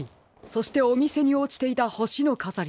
そしておみせにおちていたほしのかざり。